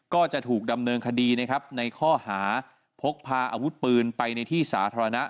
ก็จะถูกดำเนินคดีนะครับในข้อหาพกพาอาวุธปืนไปในที่สาธารณะ